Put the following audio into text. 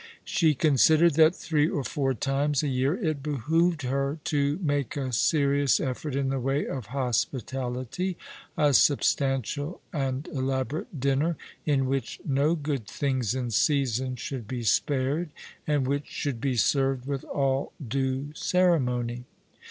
She considered that three or four times a year it behoved her to make a serious effort in the way of hospitality — a substantial and elaborate dinner, in which no good things in season should be sj^ared, and which should be served with all due ceremony.